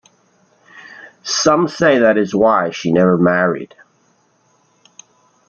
Some say that is why she never married.